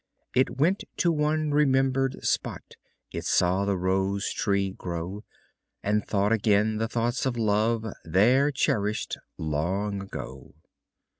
It went to one remember'd spot, It saw the rose tree grow. And thought again the thoughts of love, There cherished long ago.